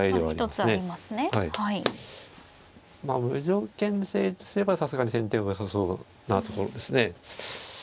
まあ無条件に成立すればさすがに先手がよさそうなところですね。